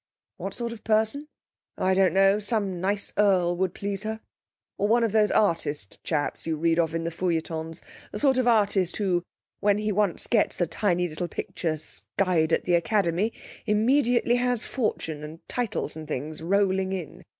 'What sort of person? Oh, I don't know. Some nice earl would please her, or one of those artist chaps you read of in the feuilletons the sort of artist who, when he once gets a tiny little picture skied at the Academy, immediately has fortune, and titles and things, rolling in.